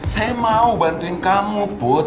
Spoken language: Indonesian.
saya mau bantuin kamu put